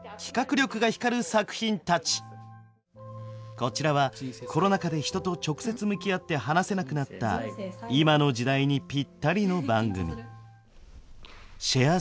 こちらはコロナ禍で人と直接向き合って話せなくなった今の時代にぴったりの番組。